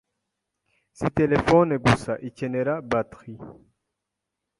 Si telefone gusa ikenera batterie